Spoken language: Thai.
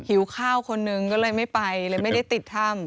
หิวข้าวคนนึงก็เลยไม่ไปเลยไม่ได้ติดถ้ำ